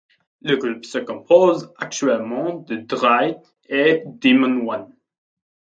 Le groupe se compose actuellement de Dry et Demon One.